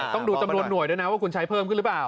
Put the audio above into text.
ต้องดูจำนวนหน่วยด้วยนะว่าคุณใช้เพิ่มขึ้นหรือเปล่า